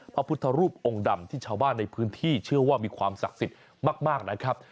พระพุทธรูปองค์ดำที่ชาวบ้านในพื้นที่เชื่อว่ามีความศักดิ์สิทธิ์มากนะครับ